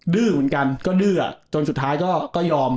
ดื้อเหมือนกันก็ดื้อจนสุดท้ายก็ยอม